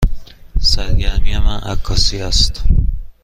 سرگرمی من عکاسی است.